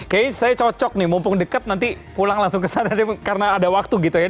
kayaknya saya cocok nih mumpung deket nanti pulang langsung ke sana karena ada waktu gitu ya